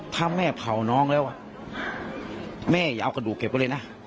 ถ้าแม่เผาน้องแล้วแม่อย่าเอากระดูกเก็บไว้เลยนะ